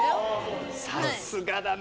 さすがだな。